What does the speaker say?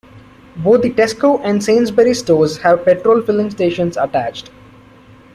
Both the Tesco and Sainsbury stores have petrol filling stations attached.